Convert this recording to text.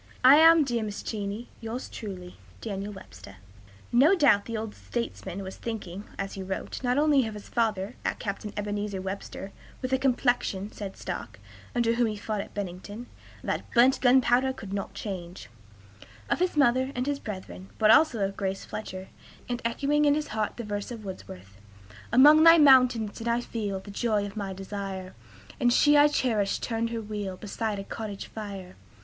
I am, dear Mrs. Cheney, yours truly, "DANIEL WEBSTER." No doubt the old statesman was thinking, as he wrote, not only of his father, Captain Ebenezer Webster ("with a complexion," said Stark, under whom he fought at Bennington, "that burnt gunpowder could not change"), of his mother and his brethren, but also of Grace Fletcher, and echoing in his heart the verse of Wordsworth: "Among thy mountains did I feel The joy of my desire; And she I cherished turned her wheel Beside a cottage fire.